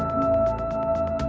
ya aku mau